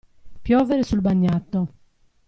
Piovere sul bagnato.